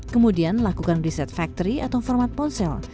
kemudian lakukan riset factory atau format ponsel